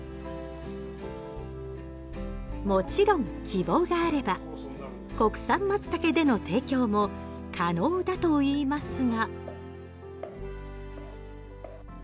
もちろん希望があれば国産マツタケでの提供も可能だといいますが。